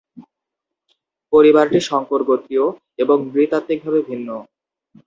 পরিবারটি শঙ্কর গোত্রীয় এবং নৃ-তাত্ত্বিকভাবে ভিন্ন।